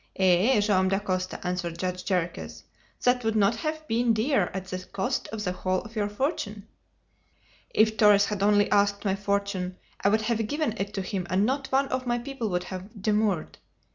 "Eh! Joam Dacosta!" answered Judge Jarriquez, "that would not have been dear at the cost of the whole of your fortune!" "If Torres had only asked my fortune, I would have given it to him and not one of my people would have demurred!